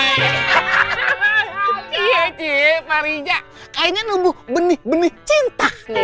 iya cie pak riza kayaknya nunggu benih benih cinta